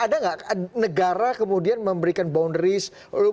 ada nggak negara kemudian memberikan boundaries